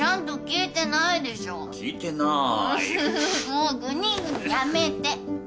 もうグニグニやめて。